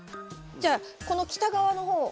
じゃあこの北側の方。